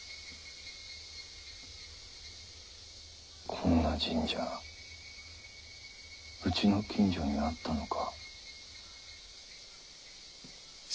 こんな神社うちの近所にあったのか。